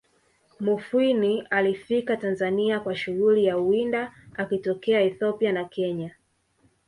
Mufwimi alifika Tanzania kwa shughuli ya uwinda akitokea Ethiopia na kenya